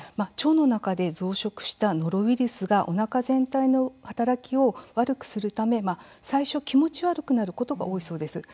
腸の中で増殖したノロウイルスがおなか全体の働きを悪くするため最初、気持ち悪くなることが多いそうです。